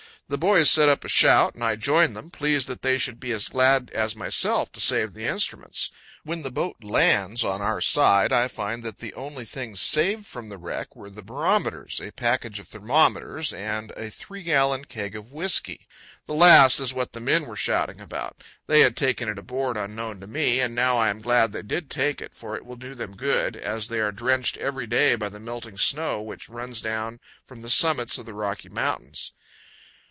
The boys set up a shout, and I join them, pleased that they should be as glad as myself to save the instruments. When the boat lands on our side, I find that the only things saved from the wreck were the barometers, a package of thermometers, and a three gallon keg of whiskey. The last is what the men were shouting about. They had taken it aboard unknown to me, and now I am glad they did take it, for it will do them good, as they are drenched every day by the melting snow which runs down from the summits of the Rocky Mountains.